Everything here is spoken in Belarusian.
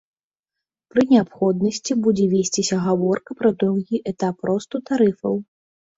Пры неабходнасці будзе весціся гаворка пра другі этап росту тарыфаў.